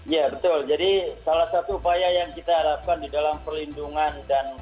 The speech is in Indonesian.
ya betul jadi salah satu upaya yang kita harapkan di dalam perlindungan dan